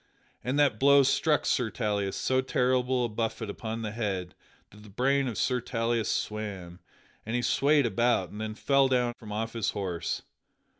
And that blow struck Sir Tauleas so terrible a buffet upon the head that the brain of Sir Tauleas swam, and he swayed about and then fell down from off his horse.